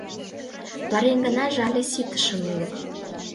Пареҥгынаже але ситышын уло.